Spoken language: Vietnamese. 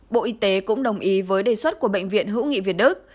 bộ y tế cũng đồng ý với đề xuất của bệnh viện hữu nghị việt đức